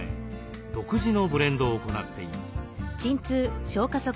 独自のブレンドを行っています。